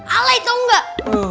alay tau gak